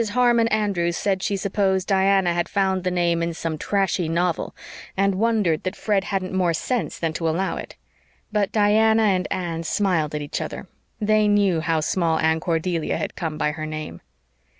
Harmon Andrews said she supposed Diana had found the name in some trashy novel, and wondered that Fred hadn't more sense than to allow it. But Diana and Anne smiled at each other. They knew how Small Anne Cordelia had come by her name.